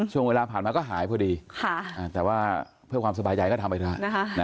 ช่วงเวลาผ่านมาก็หายพอดีแต่ว่าเพื่อความสบายใจก็ทำไปเถอะ